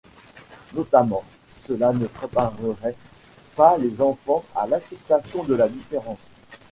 Notamment, cela ne préparerait pas les enfants à l'acceptation de la différence.